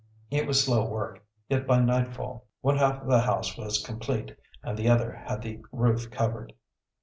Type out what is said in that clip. It was slow work, yet by nightfall one half the house was complete and the other had the roof covered.